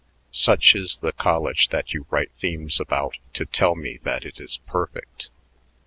"Such is the college that you write themes about to tell me that it is perfect.